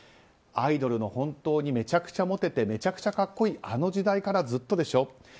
アイドルの本当にめちゃくちゃモテてめちゃくちゃ格好いいあの時代からずっとでしょ。